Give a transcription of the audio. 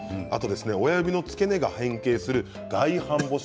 親指の付け根が変形する外反ぼし